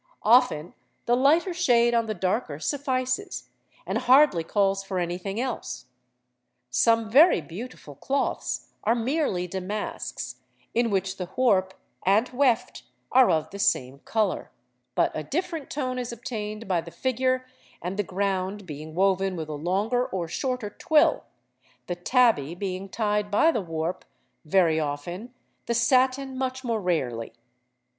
Often the lighter shade on the darker suffices, and hardly calls for anything else: some very beautiful cloths are merely damasks, in which the warp and weft are of the same colour, but a different tone is obtained by the figure and the ground being woven with a longer or shorter twill: the tabby being tied by the warp very often, the satin much more rarely.